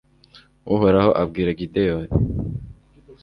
uhoraho abwira gideyoni